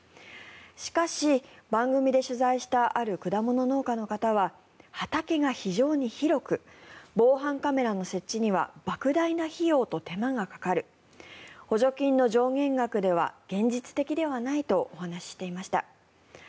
しかし、番組で取材したある果物農家の方は畑が非常に広く防犯カメラの設置にはばく大な費用と手間がかかる補助金の上限額では現実的ではないとお話していました。